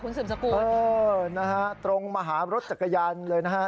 สืบสกุลเออนะฮะตรงมาหารถจักรยานเลยนะฮะ